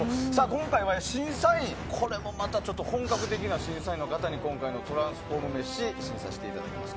今回は審査員、これもまた本格的な審査員の方に今回のトランスフォーム飯審査していただきます。